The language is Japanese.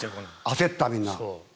焦ったみんな。